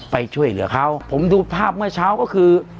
ไปช่วยเหลือเขาผมดูภาพเมื่อเช้าก็คือ